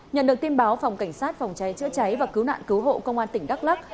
nhận được tin báo phòng cảnh sát phòng cháy chữa cháy và cứu nạn cứu hộ công an tỉnh đắk lắc